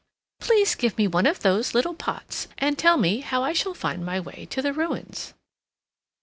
Please give me one of those little pots, and tell me how I shall find my way to the ruins."